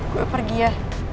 gue pergi ya